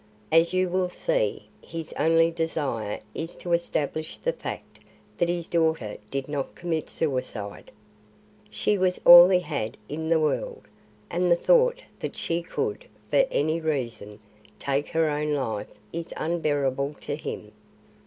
As you will see, his only desire is to establish the fact that his daughter did not commit suicide. She was all he had in the world, and the thought that she could, for any reason, take her own life is unbearable to him.